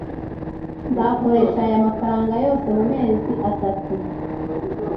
nzakoresha aya mafaranga yose mumezi atatu